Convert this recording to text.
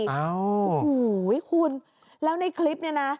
โอ้โหคุณแล้วในคลิปเนี่ยนะ